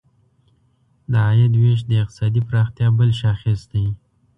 د عاید ویش د اقتصادي پراختیا بل شاخص دی.